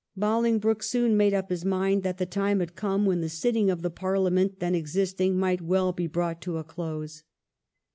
BoHngbroke soon made up his mind that the time had come when the sitting of the Parliament then existing might well be brought to a close.